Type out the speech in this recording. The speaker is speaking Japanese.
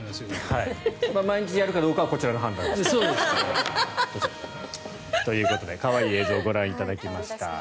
毎日やるかどうかはこちらの判断です。ということで可愛い映像をご覧いただきました。